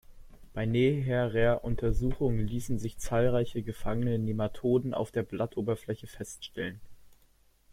Bei näherer Untersuchung ließen sich zahlreiche gefangene Nematoden auf der Blattoberfläche feststellen.